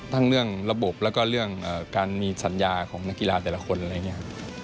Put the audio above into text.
ทั้งเรื่องระบบแล้วก็เรื่องการมีสัญญาของนักกีฬาแต่ละคนอะไรอย่างนี้ครับ